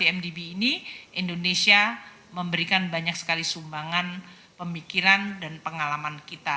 di mdb ini indonesia memberikan banyak sekali sumbangan pemikiran dan pengalaman kita